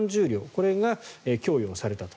これが供与されたと。